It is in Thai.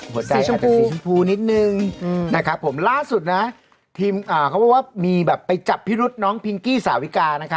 หัวใจสีชมพูนิดนึงนะครับผมล่าสุดนะทีมเขาว่ามีแบบไปจับพิรุธน้องพิงกี้สาววิกา